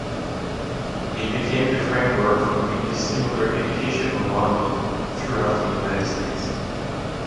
It became the framework for many similar educational models throughout the United States.